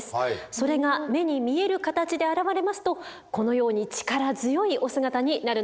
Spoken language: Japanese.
それが目に見える形で現れますとこのように力強いお姿になるのでございます。